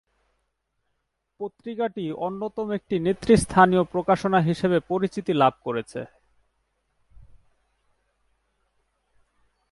পত্রিকাটি অন্যতম একটি নেতৃস্থানীয় প্রকাশনা হিসেবে পরিচিতি লাভ করেছে।